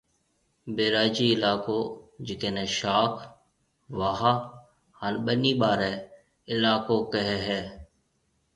بئراجِي علائقو جڪيَ نيَ شاخ، واھ ھان ٻنِي ٻارَي علائقو ڪھيََََ ھيََََ